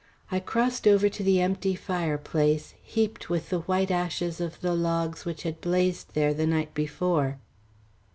I crossed over to the empty fireplace heaped with the white ashes of the logs which had blazed there the night before.